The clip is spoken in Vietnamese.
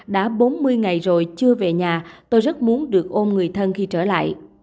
đã bốn mươi ngày rồi chưa về nhà tôi rất muốn được ôm người thân khi trở lại